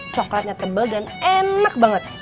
coklatnya tebal dan enak banget